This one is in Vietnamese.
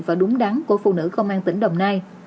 và đúng đắn của phụ nữ công an tỉnh đồng nai